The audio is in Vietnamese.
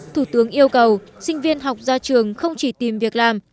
thủ tướng yêu cầu sinh viên học ra trường không chỉ tìm việc làm